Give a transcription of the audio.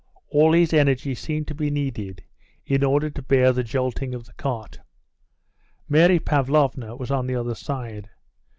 All his energy seemed to be needed in order to bear the jolting of the cart. Mary Pavlovna was on the other side.